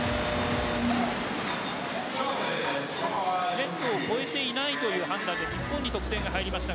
ネットを越えていないという判断で日本に得点が入りました。